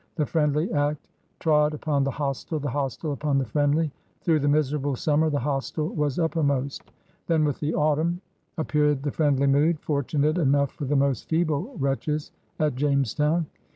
The friendly act trod upon the hostile, the hostile upon the friendly. Through the miserable summer the hostile was uppermost; then with the autumn JAMESTOWN 89 appeared the friendly mood, fortunate enough for *'the most feeble wretches" at Jamestown.